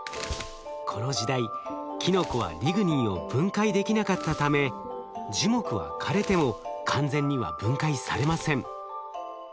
この時代キノコはリグニンを分解できなかったため樹木は枯れても完全には分解されません。